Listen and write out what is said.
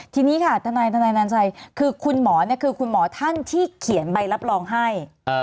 ทีนี้ค่ะทนายนันชัยคือคุณหมอคือคุณหมอท่านที่เขียนใบรับรองให้